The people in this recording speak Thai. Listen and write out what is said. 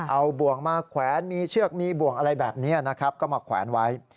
เอาบ่วงมาแขวนมีเชือกมีบ่วงอะไรแบบนี้นะครับก็มาแขวนไว้